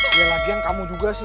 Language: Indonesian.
yelagian kamu juga sih